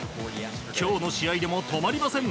今日の試合でも止まりません！